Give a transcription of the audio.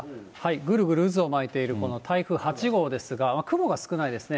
ぐるぐる渦を巻いているこの台風８号ですが、雲が少ないですね。